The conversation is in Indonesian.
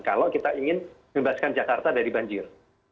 kalau kita ingin bebaskan jakarta dari banjir